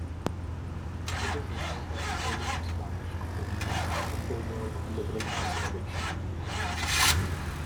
It is the site of Williams Baptist College, a four-year liberal arts college.